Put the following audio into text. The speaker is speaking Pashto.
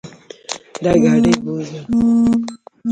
دا ګاډې بوځه.